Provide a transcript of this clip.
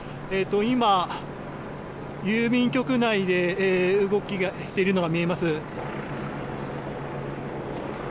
今、郵便局内で動いているのが見えます。